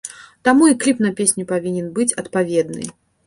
Таму і кліп на песню павінен быць адпаведны.